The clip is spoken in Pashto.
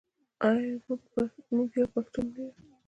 آیا موږ یو پښتون نه یو؟